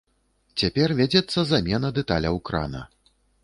Цяпер вядзецца замена дэталяў крана.